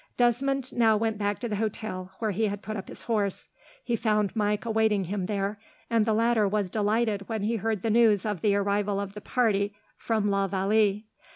Desmond now went back to the hotel where he had put up his horse. He found Mike awaiting him there, and the latter was delighted when he heard the news of the arrival of the party from la Vallee.